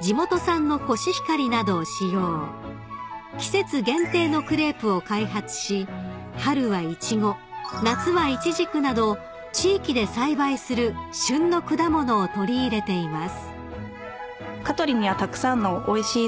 ［季節限定のクレープを開発し春はイチゴ夏はイチジクなど地域で栽培する旬の果物を取り入れています］